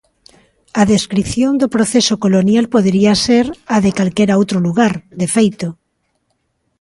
A descrición do proceso colonial podería ser a de calquera outro lugar, de feito.